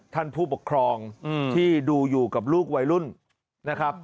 ผู้ปกครองที่ดูอยู่กับลูกวัยรุ่นนะครับ